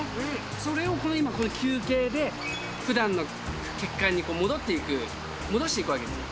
それを今休憩でふだんの血管に戻っていく、戻していくわけですよ。